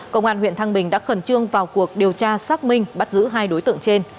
công an huyện thăng bình đã khẩn trương vào cuộc điều tra xác minh bắt giữ hai đối tượng trên